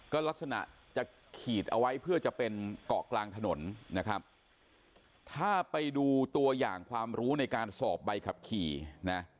ก็ลักษณะจะขีดเอาไว้เพื่อจะเป็นเกาะกลางถนนนะครับถ้าไปดูตัวอย่างความรู้ในการสอบใบขับขี่นะ